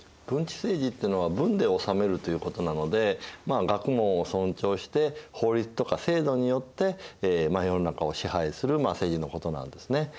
文治政治っていうのは「文で治める」ということなので学問を尊重して法律とか制度によって世の中を支配する政治のことなんですね。